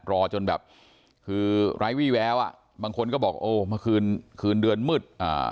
รอจนแบบคือรายวิแววบางคนก็บอกเมื่อคืนคืนเดือนมืด